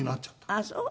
あっそう。